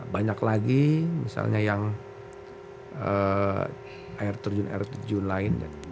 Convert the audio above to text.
banyak lagi misalnya yang air terjun air terjun lain